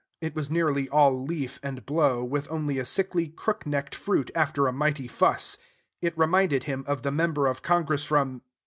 It was nearly all leaf and blow, with only a sickly, crook necked fruit after a mighty fuss. It reminded him of the member of Congress from...